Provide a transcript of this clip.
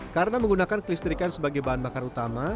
karena menggunakan kelistrikan sebagai bahan bakar utama